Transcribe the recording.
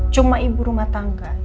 cuma ibu rumah tangga